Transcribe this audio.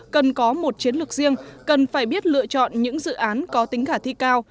cần có một chiến lược riêng cần phải biết lựa chọn những dự án có tính khả thi cao